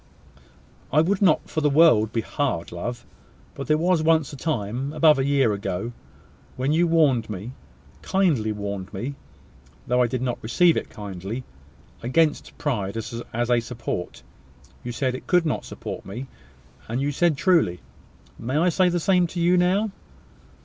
"I would not for the world be hard, love. But there was once a time, above a year ago, when you warned me, kindly warned me, though I did not receive it kindly, against pride as a support. You said it could not support me; and you said truly. May I say the same to you now?"